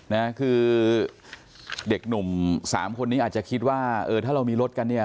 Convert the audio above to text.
นะคือเด็กหนุ่มสามคนนี้อาจจะคิดว่าเออถ้าเรามีรถกันเนี่ย